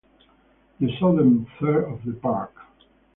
The southern third of the park.